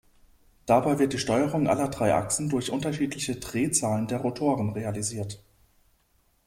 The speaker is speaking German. Dabei wird die Steuerung aller drei Achsen durch unterschiedliche Drehzahlen der Rotoren realisiert.